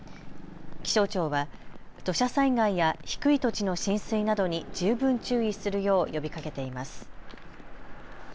気象庁は土砂災害や低い土地の浸水などに十分注意するよう呼びかけています。